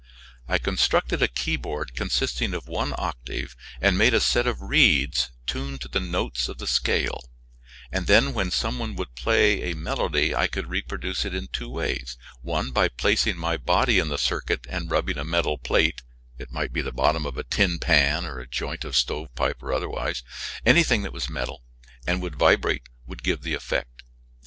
I constructed a keyboard consisting of one octave and made a set of reeds tuned to the notes of the scale, and then when some one would play a melody I could reproduce it in two ways: One by placing my body in the circuit and rubbing a metal plate it might be the bottom of a tin pan, a joint of stovepipe or otherwise anything that was metal and would vibrate would give the effect.